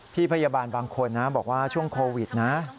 พี่พยาบาลบางคนนะบอกว่าช่วงโควิดนะ